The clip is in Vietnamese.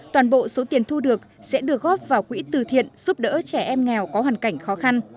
toàn bộ số tiền thu được sẽ được góp vào quỹ từ thiện giúp đỡ trẻ em nghèo có hoàn cảnh khó khăn